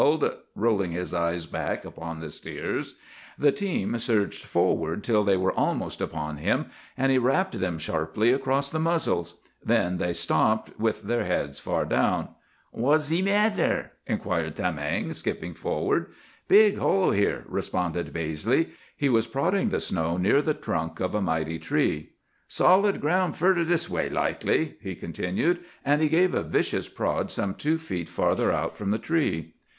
he yelled, rolling his eyes back upon the steers. "The team surged forward till they were almost upon him, and he rapped them sharply across the muzzles. Then they stopped, with their heads far down. "'W'at ze matter?' inquired Tamang, skipping forward. "'Big hole here!' responded Baizley. He was prodding the snow near the trunk of a mighty tree. "'Solid ground furder this way, likely!' he continued; and he gave a vicious prod some two feet farther out from the tree.